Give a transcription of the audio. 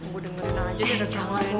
gue dengerin aja dia ngerjain nih